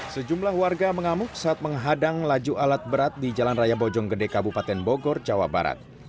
sejumlah warga mengamuk saat menghadang laju alat berat di jalan raya bojonggede kabupaten bogor jawa barat